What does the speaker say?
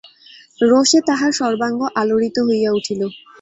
রােষে তাঁহার সর্বাঙ্গ আলােড়িত হইয়া উঠিল।